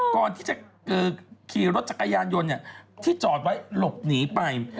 ก่อนที่จะขี่รถจักรยานยนต์ที่จอดไว้หลบหนีไป